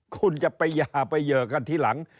คุณจะไปหย่าไปเหยื่อกันทีหลัง